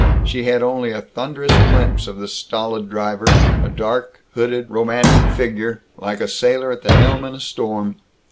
She had only a thunderous glimpse of the stolid driver; a dark, hooded, romantic figure, like a sailor at the helm in a storm.